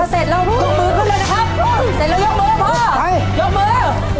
ถ้าเสร็จแล้วยกมือขึ้นเลยนะครับเสร็จแล้วยกมือพ่อยกมือ